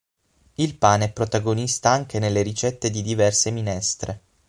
Il pane è protagonista anche nelle ricette di diverse minestre.